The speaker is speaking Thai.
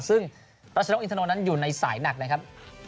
ซึ่งรัชนกอินทนนท์นั้นอยู่ในสายหนักนะครับ